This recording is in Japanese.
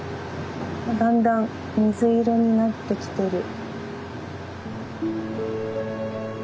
だんだん水色になってきてる。